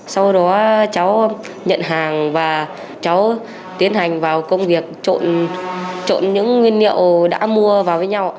sau đó cháu nhận hàng và cháu tiến hành vào công việc trộn những nguyên liệu đã mua vào với nhau